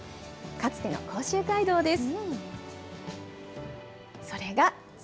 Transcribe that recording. かつての甲州街道です。